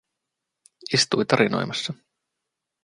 Istui tarinoimassa.